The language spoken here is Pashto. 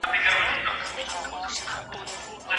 په علم سره ټولنه جوړيږي.